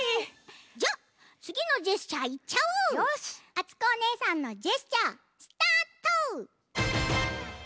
あつこおねえさんのジェスチャースタート。